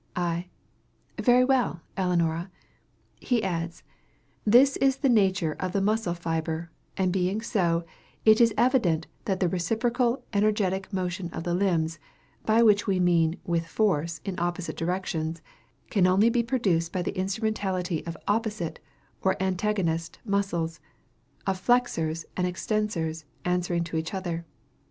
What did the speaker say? I. Very well, Ellinora. He adds, "This is the nature of the muscular fibre; and being so, it is evident that the reciprocal energetic motion of the limbs, by which we mean with force in opposite directions, can only be produced by the instrumentality of opposite or antagonist muscles of flexors and extensors answering to each other.